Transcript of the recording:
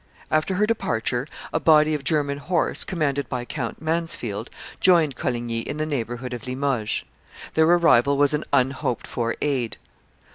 After her departure, a body of German horse, commanded by Count Mansfeld, joined Coligny in the neighborhood of Limoges. Their arrival was an unhoped for aid.